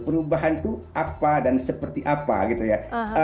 perubahan itu apa dan seperti apa gitu ya